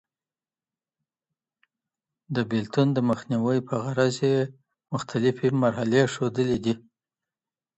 د بيلتون د مخنيوي په غرض ئې مختلفي مرحلې ښوولي دي.